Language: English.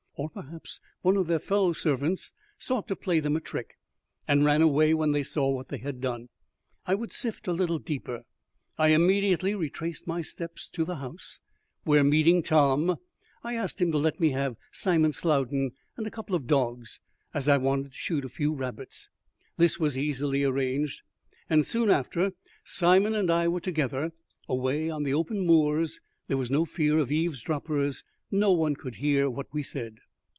Or perhaps one of their fellow servants sought to play them a trick, and ran away when they saw what they had done. I would sift a little deeper. I immediately retraced my steps to the house, where meeting Tom, I asked him to let me have Simon Slowden and a couple of dogs, as I wanted to shoot a few rabbits. This was easily arranged, and soon after Simon and I were together. Away on the open moors there was no fear of eavesdroppers; no one could hear what we said.